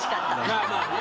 まあまあね。